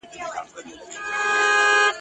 جګړه اوس هم یاديږي.